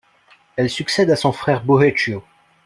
Elle succède à son frère Bohechio.